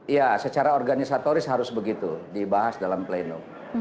ya secara organisatoris harus begitu dibahas dalam pleno